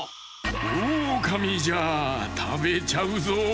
オオカミじゃたべちゃうぞ。